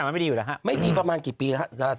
ไม่ดีประมาณกี่ปีฯ